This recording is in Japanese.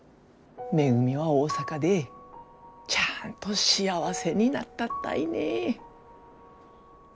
めぐみは大阪でちゃんと幸せになったったいね。